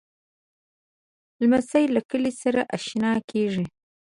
لمسی له کلي سره اشنا کېږي.